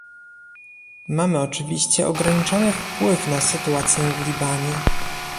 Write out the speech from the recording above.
Mamy oczywiście ograniczony wpływ na sytuację w Libanie